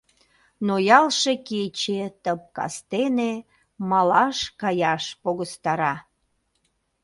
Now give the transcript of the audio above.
Ноялше кече тып кастене Малаш каяш погыстара.